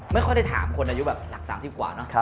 ไม่ค่อยได้ถามคนอายุแบบหลัก๓๐กว่าเนอะ